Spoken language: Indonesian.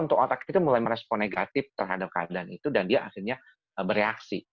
untuk otak itu mulai merespon negatif terhadap keadaan itu dan dia akhirnya bereaksi